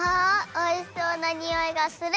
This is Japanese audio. おいしそうなにおいがする！